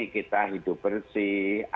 kita hidup bersih